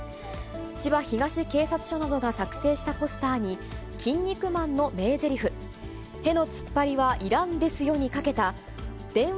千葉東警察署などが作成したポスターに、キン肉マンの名ぜりふ、へのつっぱりはいらんですよ！にかけた、電話